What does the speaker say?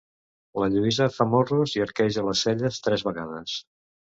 La Lluïsa fa morros i arqueja les celles tres vegades.